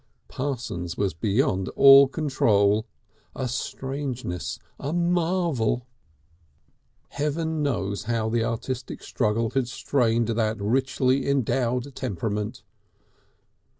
Parsons was beyond all control a strangeness, a marvel. Heaven knows how the artistic struggle had strained that richly endowed temperament.